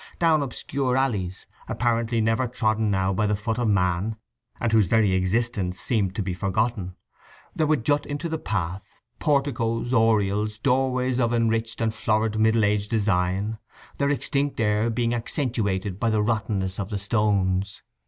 Down obscure alleys, apparently never trodden now by the foot of man, and whose very existence seemed to be forgotten, there would jut into the path porticoes, oriels, doorways of enriched and florid middle age design, their extinct air being accentuated by the rottenness of the stones.